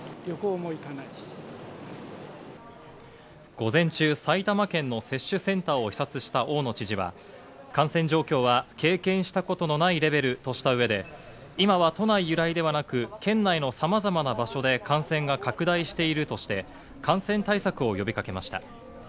午前中、埼玉県の接種センターを視察した大野知事は、感染状況は経験したことのないレベルとした上で、今は都内由来ではなく、県内のさまざまな場所で感染が拡大しているとして、感染対策を呼びかけました。